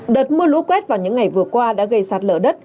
đợt mưa lũ quét vào những ngày vừa qua đã gây sạt lở đất